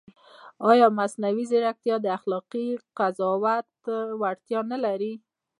ایا مصنوعي ځیرکتیا د اخلاقي قضاوت وړتیا نه لري؟